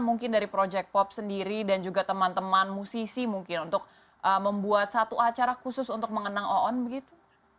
mungkin dari project pop sendiri dan juga teman teman musisi mungkin untuk membuat satu acara khusus untuk mengenang oon begitu